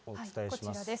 こちらです。